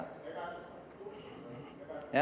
siapa itu yang terlihat